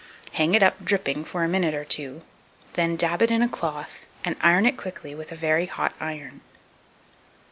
Hang it up dripping for a minute or two, then dab it in a cloth, and iron it quickly with a very hot iron.